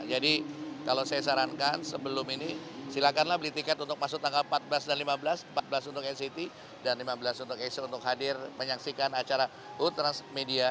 jadi kalau saya sarankan sebelum ini silakanlah beli tiket untuk masuk tanggal empat belas dan lima belas empat belas untuk nct dan lima belas untuk exo untuk hadir menyaksikan acara hood transmedia